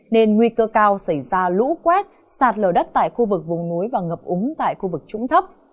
nên nguy cơ cao xảy ra lũ quét sạt lở đất tại khu vực vùng núi và ngập úng tại khu vực trũng thấp